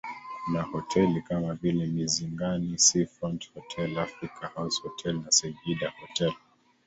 Kuna hoteli kama vile Mizingani Seafront Hotel Africa House Hotel na Seyyida Hotel